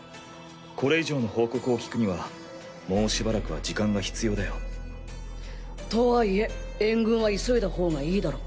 これ以上の報告を聞くにはもうしばらくは時間が必要だよ。とはいえ援軍は急いだほうがいいだろう。